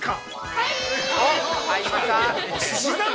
◆はい！